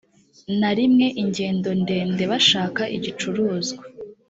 na rimwe ingendo ndende bashaka igicuruzwa